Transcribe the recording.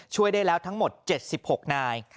ช่วยได้แล้วทั้งหมด๗๖นาย